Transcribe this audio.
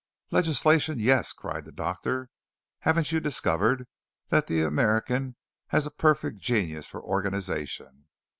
"Legislation; yes!" cried the doctor. "Haven't you discovered that the American has a perfect genius for organization?